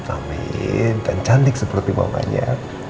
amin dan cantik seperti mamanya